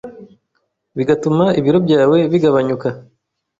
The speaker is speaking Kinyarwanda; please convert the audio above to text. bigatuma ibiro byawe bigabanyuka